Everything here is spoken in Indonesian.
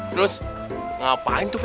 terus ngapain tuh prt